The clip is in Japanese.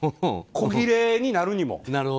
こぎれいになるにも。